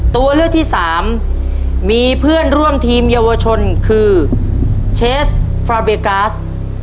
ตัวเลือกที่สามมีเพื่อนร่วมทีมเยาวชนคือเชสฟราเบกราส